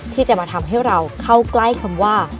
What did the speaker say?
ที่จะมาทำให้เราเข้าใกล้คำว่า